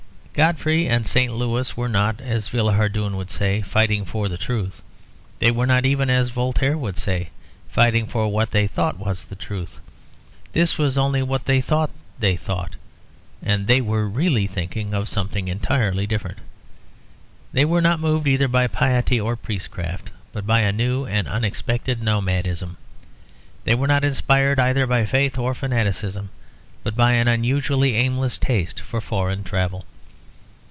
Godfrey and St. Louis were not, as Villehardouin would say, fighting for the truth; they were not even, as Voltaire would say, fighting for what they thought was the truth; this was only what they thought they thought, and they were really thinking of something entirely different. They were not moved either by piety or priestcraft, but by a new and unexpected nomadism. They were not inspired either by faith or fanaticism, but by an unusually aimless taste for foreign travel.